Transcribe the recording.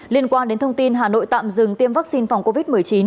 liên quan đến thông tin hà nội tạm dừng tiêm vaccine phòng covid một mươi chín